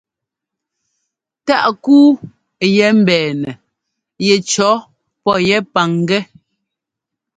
Taʼ kúu yɛ́ mbɛɛnɛ yɛcʉɔ pɔ yɛ́ pangɛ́.